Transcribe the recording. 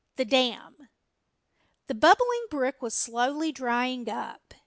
THE DAM THE Bubbling Brook was slowly drying up.